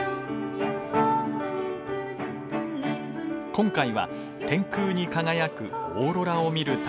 今回は天空に輝くオーロラを見る旅。